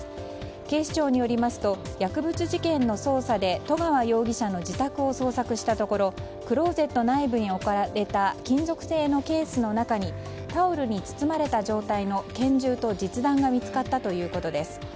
警視庁によりますと薬物事件の捜査で十川容疑者の自宅を捜索したところクローゼット内部に置かれた金属製のケースの中にタオルに包まれた状態の拳銃と実弾が見つかったということです。